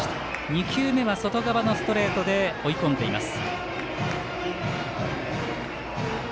２球目は外側のストレートで追い込んでいます。